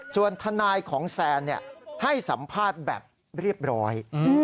ส่วนทนายของแซนให้สัมภาษณ์แบบเรียบร้อย